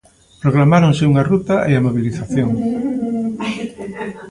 Programáronse unha ruta e a mobilización.